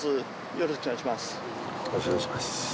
よろしくお願いします